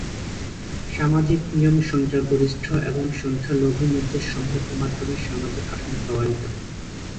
সামাজিক নিয়ম সংখ্যাগরিষ্ঠ এবং সংখ্যালঘু মধ্যে সম্পর্ক মাধ্যমে সামাজিক কাঠামো প্রভাবিত।